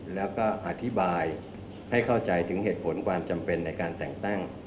แล้วก็อธิบายให้เข้าใจถึงเหตุผลความจำเป็นในการแต่งตั้ง